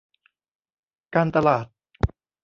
การตลาด